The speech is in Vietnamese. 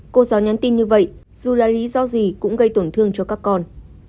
cô giáo nhắn tin như vậy dù là lý do gì cũng gây tổn thương cho các con